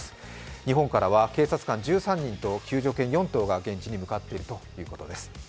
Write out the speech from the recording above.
日本からは警察官１３人と救助犬４頭が現地に向かっているということです。